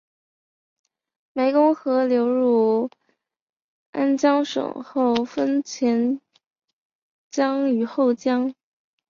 湄公河流入安江省后分前江与后江。